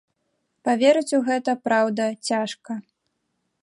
Паверыць у гэта, праўда, цяжка.